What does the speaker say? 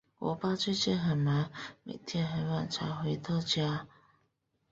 我爸最近很忙，每天很晚才回到家。